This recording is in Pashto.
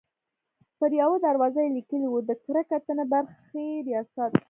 پر یوه دروازه یې لیکلي وو: د کره کتنې برخې ریاست.